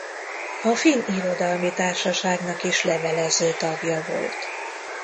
A finn irodalmi társaságnak is levelező tagja volt.